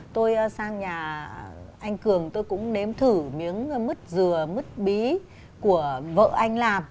tôi sang nhà anh cường tôi cũng nếm thử miếng mứt dừa mứt bí của vợ anh làm